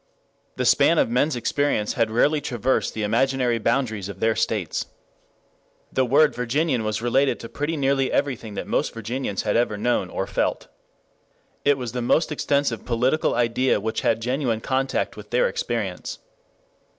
The span of men's experience had rarely traversed the imaginary boundaries of their states. The word Virginian was related to pretty nearly everything that most Virginians had ever known or felt. It was the most extensive political idea which had genuine contact with their experience.